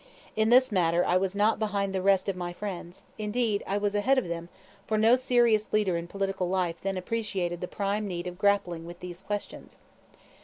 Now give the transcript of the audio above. In this matter I was not behind the rest of my friends; indeed, I was ahead of them, for no serious leader in political life then appreciated the prime need of grappling with these questions.